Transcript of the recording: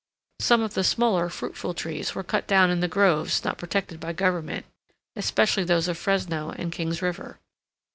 Some of the smaller fruitful trees were cut down in the groves not protected by government, especially those of Fresno and King's River.